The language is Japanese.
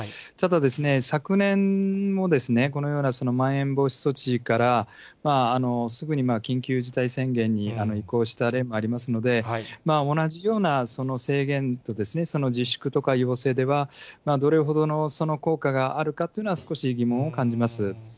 ただですね、昨年もですね、このようなまん延防止措置から、すぐに緊急事態宣言に移行した例もありますので、同じような制限で、その自粛とか要請では、どれほどの効果があるかというのは、少し疑問を感じます。